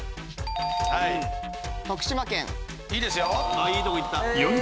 いいですよ！